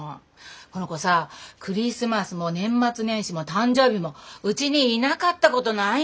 この子さクリスマスも年末年始も誕生日もうちにいなかったことないんだから。